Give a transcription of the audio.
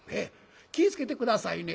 気ぃ付けて下さいね。